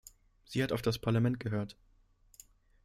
Sie hat auf das Parlament gehört.